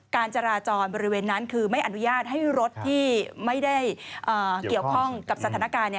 การจราจรบริเวณนั้นคือไม่อนุญาตให้รถที่ไม่ได้เกี่ยวข้องกับสถานการณ์